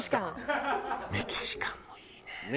メキシカンもいいね。